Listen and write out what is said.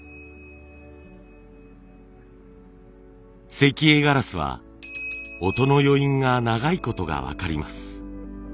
石英ガラスは音の余韻が長いことが分かります。